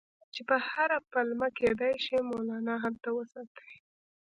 چې په هره پلمه کېدلای شي مولنا هلته وساتي.